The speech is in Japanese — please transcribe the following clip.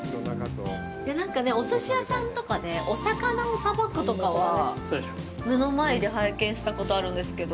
なんかね、おすし屋さんとかでお魚をさばくとかは目の前で拝見したことあるんですけど。